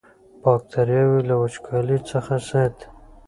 باکتریاوې له وچوالي څخه ساتي.